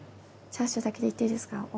チャーシューだけでいっていいですか。